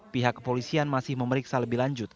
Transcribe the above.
pihak kepolisian masih memeriksa lebih lanjut